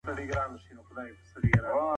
بد انسان قدر نه لري